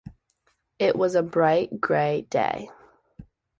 It was a bright grey day.